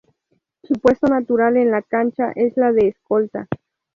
Su puesto natural en la cancha es la de escolta.